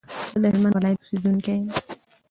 زه دهلمند ولایت اوسیدونکی یم.